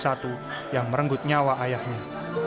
seorang orang yang merenggut nyawa ayahnya